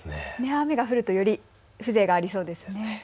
雨が降るとより風情がありそうですね。